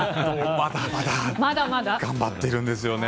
まだまだ頑張っているんですよね。